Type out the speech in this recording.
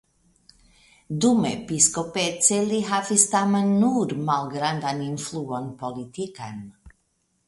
Dumepiskopece li havis tamen nur malgrandan influon politikan.